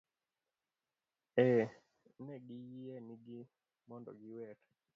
Ee, ne giyienegi mondo giwer.